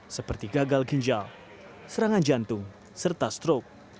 seperti gagal ginjal serangan jantung serta strok